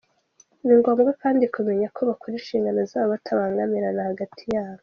Ni ngombwa kandi kumenya ko bakora inshingano zabo batabangamirana hagati yabo.